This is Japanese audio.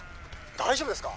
大丈夫ですか？